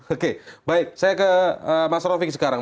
oke baik saya ke mas rofik sekarang